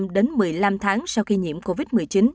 đến một mươi năm tháng sau khi nhiễm covid một mươi chín